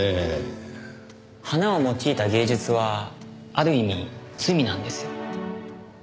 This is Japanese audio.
花を用いた芸術はある意味罪なんですよ。